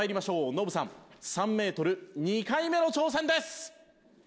ノブさん３メートル２回目の挑戦です！